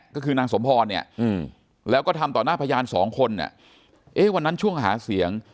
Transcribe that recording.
ก็คือนางสมภอเนี่ยแล้วก็ทำต่อหน้าพยาน๒คนวันนั้นช่วงหาเสียง